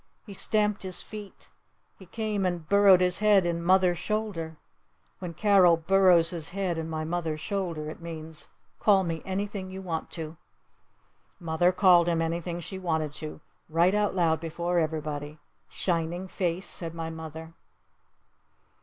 He stamped his feet! He came and burrowed his head in mother's shoulder. When Carol burrows his head in my mother's shoulder it means, "Call me anything you want to!" Mother called him anything she wanted to. Right out loud before everybody. "Shining Face!" said my mother.